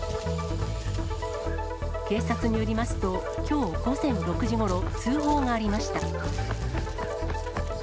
警察によりますと、きょう午前６時ごろ、通報がありました。